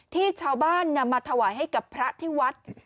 ที่ชาวบ้านนำมาถวายให้กับพระที่วัด